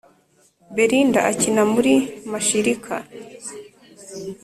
Belinda akina muri mashirika